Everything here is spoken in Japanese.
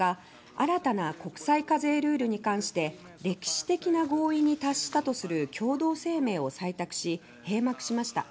新たな国際課税ルールに関して「歴史的な合意」に達したとする共同声明を採択し閉幕しました。